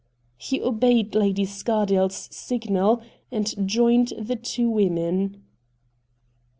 He obeyed Lady Scardale's signal, and joined the two women.